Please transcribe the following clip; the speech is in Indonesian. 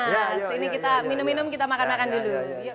nah ini kita minum minum kita makan makan dulu